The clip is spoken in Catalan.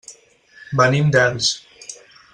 Venim d'Elx.